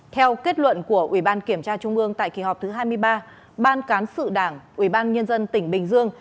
theo kết luận của ubnd tại kỳ họp thứ hai mươi ba ban cán sự đảng ubnd tỉnh bình dương